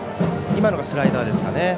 今のがスライダーですかね。